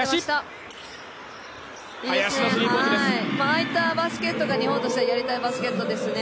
ああいったバスケットが日本としてやりたいバスケットですね。